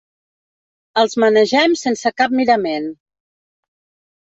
Els manegem sense cap mirament.